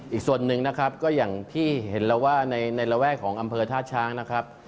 อีกส่วนหนึ่งนะครับก็อย่างที่เห็นแล้วว่าในระแวกของอำเภอท่าช้างนะครับ